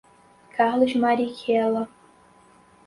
Carlos Marighella